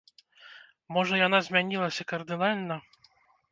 Можа, яна змянілася кардынальна?